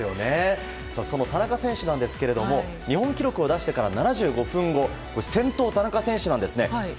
その田中選手ですけれども日本記録を出してから７５分後先頭、田中選手なんですね。